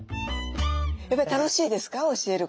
やっぱり楽しいですか？